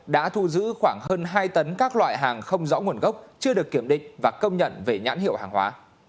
đã thu giữ khoảng hơn hai tấn các loại hàng không rõ nguồn gốc chưa được kiểm định và công nhận về nhãn hiệu hàng hóa